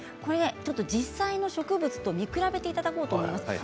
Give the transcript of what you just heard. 実際に植物と見比べていただこうと思います。